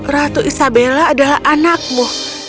ratu isabella adalah anakmu